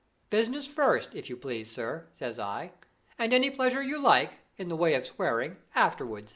'Business first, if you please, sir,' says I, 'and any pleasure you like, in the way of swearing, afterward.